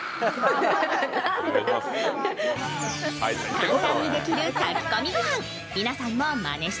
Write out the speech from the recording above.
簡単にできる炊き込みご飯。